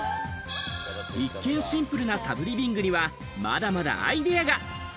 一見シンプルなサブリビングにはまだまだアイデアが。